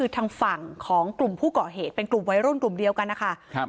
ทางฝั่งของกลุ่มผู้ก่อเหตุเป็นกลุ่มวัยรุ่นกลุ่มเดียวกันนะคะ